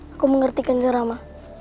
aku mengerti kanjeng rama